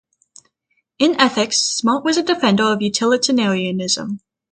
In ethics, Smart was a defender of utilitarianism.